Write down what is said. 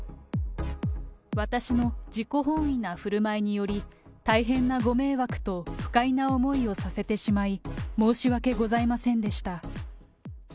私の自己本位なふるまいにより、大変なご迷惑と不快な思いをさせてしまい、申し訳ございませんでした。